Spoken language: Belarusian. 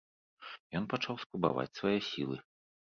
Ён пачаў спрабаваць свае сілы.